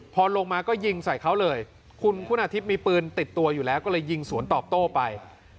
พอลงมาก็ยิงใส่เขาเลยคุณคุณาทิพย์มีปืนติดตัวอยู่แล้วก็เลยยิงสวนตอบโต้ไป